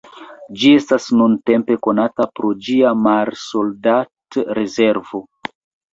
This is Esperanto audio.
Ĝi estas nuntempe konata pro ĝia marsoldat-rezervo.